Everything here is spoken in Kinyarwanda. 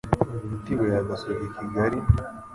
Unyite ibuye ya gasogi kigali